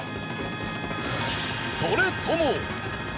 それとも。